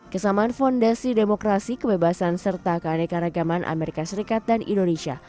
kesamaan fondasi demokrasi kebebasan serta keanekaragaman amerika serikat dan indonesia